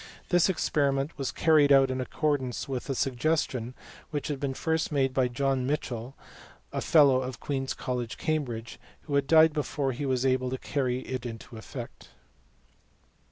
This experiment was carried out in accordance with a suggestion which had been first made by John Michell, a fellow of Queens College, Cambridge, who had died before he was able to carry it into effect.